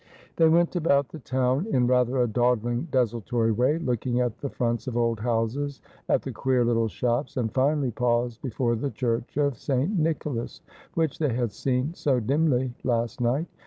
They went about the town in rather a dawdling desultory way, looking at the fronts of old houses, at the queer little shops, and finally paused before the church of St. Nicholas, which they had seen so dimly last night.